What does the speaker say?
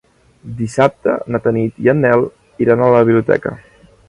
Dissabte na Tanit i en Nel iran a la biblioteca.